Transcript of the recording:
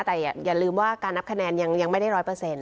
แต่อย่าลืมว่าการนับคะแนนยังไม่ได้ร้อยเปอร์เซ็นต์